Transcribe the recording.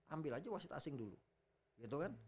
ambil aja wasit asing dulu gitu kan